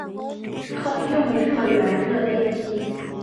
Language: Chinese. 通用热源热电机。